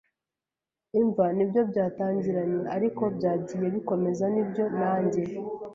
imva! Nibyo byatangiranye, ariko byagiye bikomeza'n ibyo; nanjye